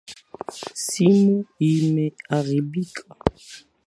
Simu imeharibika.